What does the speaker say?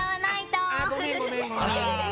あごめんごめんごめん。